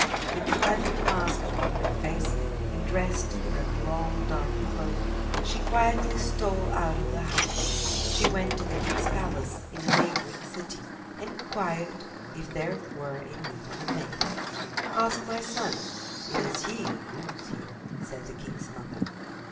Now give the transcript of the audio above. With the ugly mask upon her face, and dressed in a long dark cloak, she quietly stole out of the house. She went to the king's palace in a neighboring city and inquired if they were in need of a maid. [Illustration: She quietly stole out of the house] "Ask my son. It is he who rules here," said the king's mother.